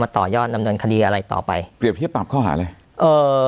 ต่อยอดดำเนินคดีอะไรต่อไปเปรียบเทียบปรับข้อหาอะไรเอ่อ